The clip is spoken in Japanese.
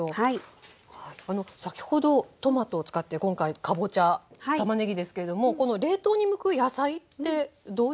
先ほどトマトを使って今回かぼちゃたまねぎですけれどもこの冷凍に向く野菜ってどういうものですか？